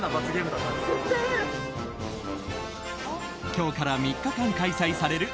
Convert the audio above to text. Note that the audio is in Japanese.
今日から３日間開催される